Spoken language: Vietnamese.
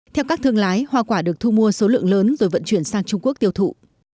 theo các thương lái hoa quả được thu mua số lượng lớn rồi vận chuyển sang trung quốc tiêu thụ